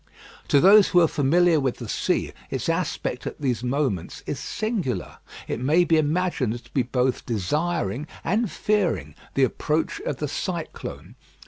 To those who are familiar with the sea, its aspect at these moments is singular. It may be imagined to be both desiring and fearing the approach of the cyclone.